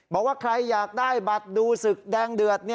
บอกว่าใครอยากได้บัตรดูศึกแดงเดือด